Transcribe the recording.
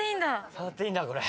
触っていいんだこれ。